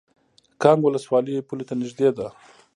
کانګ ولسوالۍ پولې ته نږدې ده؟